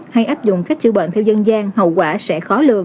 hay áp dụng cách chữa bệnh theo dân gian hậu quả sẽ khó lường